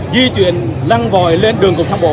di chuyển lăng vòi lên đường cổng thang bộ